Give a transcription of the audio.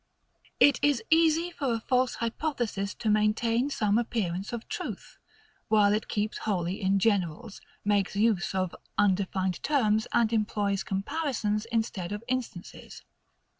It is easy for a false hypothesis to maintain some appearance of truth, while it keeps wholly in generals, makes use of undefined terms, and employs comparisons, instead of instances.